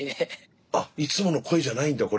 あっいつもの声じゃないんだこれは。